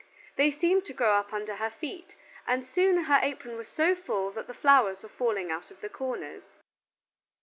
They seemed to grow up under her feet, and soon her apron was so full that the flowers were falling out of the corners.